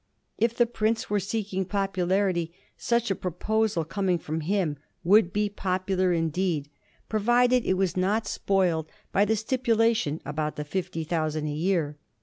If the prince were seeking popularity, such a pro posal coming from him would be popular indeed, provided 1^87. A QUESTION OF PRICE. II3 it were not spoiled by the stipulation about the fifty thou sand a year.